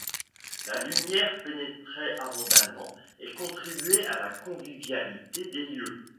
La lumière pénétrait abondamment et contribuait à la convivialité des lieux.